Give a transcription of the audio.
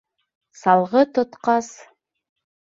Салғы тотҡас...